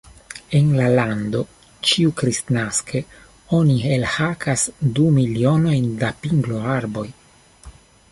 En la lando ĉiukristnaske oni elhakas du milionojn da pingloarboj.